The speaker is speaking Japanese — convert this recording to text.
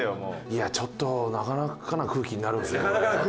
いやちょっとなかなかな空気になるんですね